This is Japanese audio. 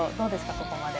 ここまで。